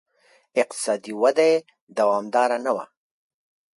اقتصادي وده یې دوامداره نه وه